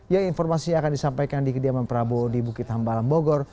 yang informasinya akan disampaikan di kediaman prabowo di bukit hambalam bogor